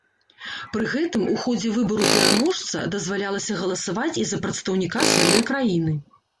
Пры гэтым у ходзе выбару пераможца дазвалялася галасаваць і за прадстаўніка сваёй краіны.